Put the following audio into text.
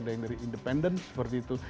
ada yang dari independen seperti itu